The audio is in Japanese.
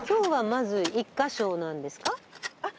あっ